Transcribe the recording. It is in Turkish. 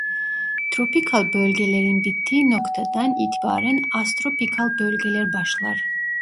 Tropikal bölgelerin bittiği noktadan itibaren astropikal bölgeler başlar.